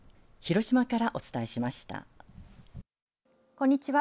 こんにちは。